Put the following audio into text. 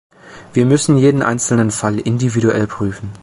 Wir müssen jeden einzelnen Fall individuell prüfen.